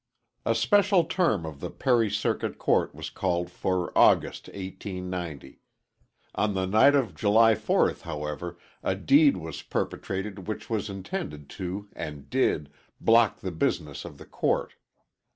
A special term of the Perry Circuit Court was called for August, 1890. On the night of July 4th, however, a deed was perpetrated which was intended to and did block the business of the court.